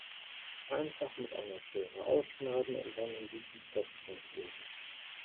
Einfach mit einer Schere ausschneiden und dann in dieses Heftchen kleben.